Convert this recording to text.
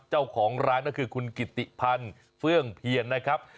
เจ้าของร้านก็คือคุณกิติพันธ์เฟื่องเพียรนะครับ